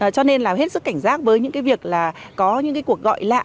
cho nên là hết sức cảnh giác với những việc là có những cuộc gọi lạc